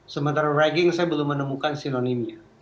sementara ragging saya belum menemukan sinonimnya